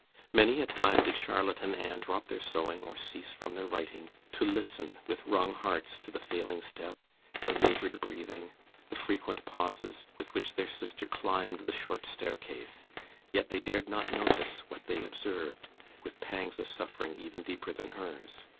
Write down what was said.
Many a time did Charlotte and Anne drop their sewing, or cease from their writing, to listen with wrung hearts to the failing step, the laboured breathing, the frequent pauses, with which their sister climbed the short staircase; yet they dared not notice what they observed, with pangs of suffering even deeper than hers.